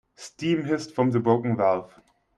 Steam hissed from the broken valve.